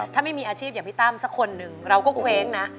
ถ้าไม่มีอาชีพอย่างพี่ตั้มสักคนหนึ่งเราก็เว้งนะ